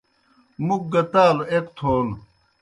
مُک گہ تالوْ ایْک تھون